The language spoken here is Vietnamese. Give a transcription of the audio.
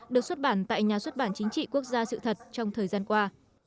được xuất bản tại nhà xuất bản chính trị quốc gia sự thật trong thời gian qua